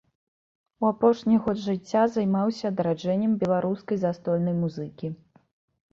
У апошні год жыцця займаўся адраджэннем беларускай застольнай музыкі.